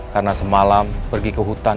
karena semalam pergi ke hutan